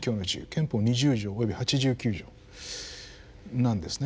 憲法二十条および八十九条なんですね。